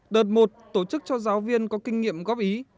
đợt một tổ chức cho giáo viên có kinh nghiệm góp ý